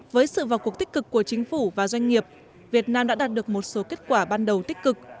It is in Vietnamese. với sự vào cuộc tích cực của chính phủ và doanh nghiệp việt nam đã đạt được một số kết quả ban đầu tích cực